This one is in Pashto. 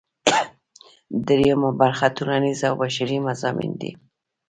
دریمه برخه ټولنیز او بشري مضامین دي.